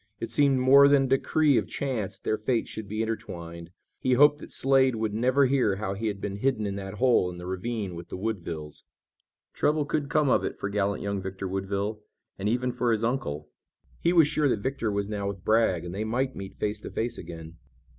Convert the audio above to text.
It seemed more than a decree of chance that their fates should be intertwined. He hoped that Slade would never hear how he had been hidden in that hole in the ravine with the Woodvilles. Trouble could come of it for gallant young Victor Woodville, and even for his uncle. He was sure that Victor was now with Bragg and they might meet face to face again.